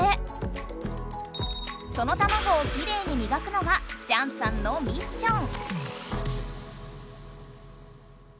その卵をキレイにみがくのがチャンさんのミッション。